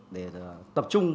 để tập trung